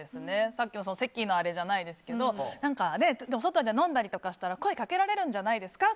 さっきの席のじゃないですけど外で飲んだりしたら声かけられるんじゃないですか？